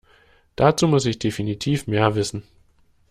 Dazu muss ich definitiv mehr wissen.